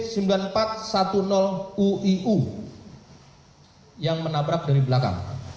kedua tersangka atas nama uiu yang menabrak dari belakang